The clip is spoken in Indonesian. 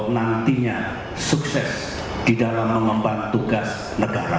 nantinya sukses di dalam mengemban tugas negara